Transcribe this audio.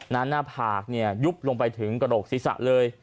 หน้าผากยุบลงไปถึงกระโหลกศีรษะเลย